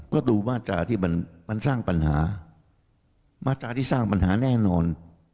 ก็ดูบ้าจารย์ที่มันสร้างปัญหาบ้าจารย์ที่สร้างปัญหาแน่นอน